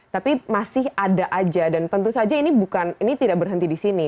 tapi masih ada aja dan tentu saja ini bukan ini tidak berhenti di sini